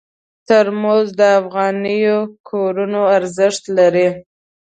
ترموز د افغاني کورونو ارزښت لري.